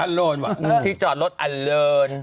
โลนว่ะที่จอดรถอันเลิน